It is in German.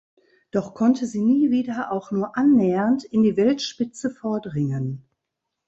Doch konnte sie nie wieder auch nur annähernd in die Weltspitze vordringen.